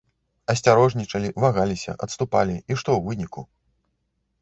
Асцярожнічалі, вагаліся, адступалі, і што ў выніку?